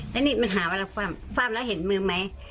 แล้วนี่มันหาว่าเราฟ่ำแล้วเห็นมือไหม